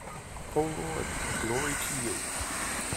O Lord, glory to You.